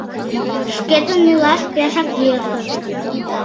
Шкетын илаш пешак йӧсӧ.